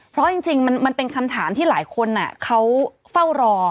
เพราะจริงมันเป็นคำถามที่หลายคนเขาเฝ้ารอ